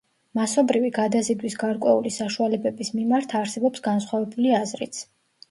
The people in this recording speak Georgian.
მასობრივი გადაზიდვის გარკვეული საშუალებების მიმართ, არსებობს განსხვავებული აზრიც.